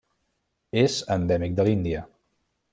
És endèmic de l'Índia.